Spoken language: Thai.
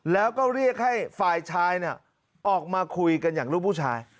แล้วก็เรียกให้ฝ่ายชายออกมาคุยกันอย่างลูกผู้ชาย